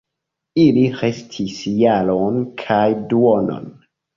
Ili restis jaron kaj duonon.